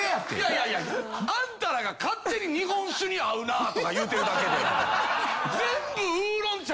いやいや！あんたらが勝手に日本酒に合うなとか言うてるだけで。